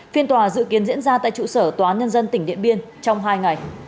phiên tòa dự kiến diễn ra tại trụ sở tòa án nhân dân tỉnh điện biên trong hai ngày